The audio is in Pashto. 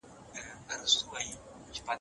د لويي جرګې پایلي څوک اعلانوي؟